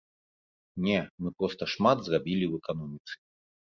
Не, мы проста шмат зрабілі ў эканоміцы.